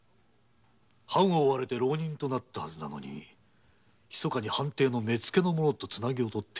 藩を追われ浪人となったはずなのにひそかに藩邸の目付と連絡をとっているらしい。